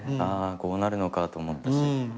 ああこうなるのかと思ったし。